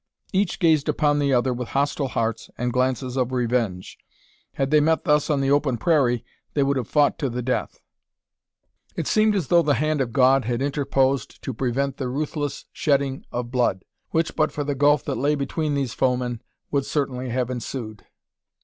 Each gazed upon the other with hostile hearts and glances of revenge. Had they met thus on the open prairie they would have fought to the death. It seemed as though the hand of God had interposed to prevent the ruthless shedding of blood, which, but for the gulf that lay between these foemen, would certainly have ensued.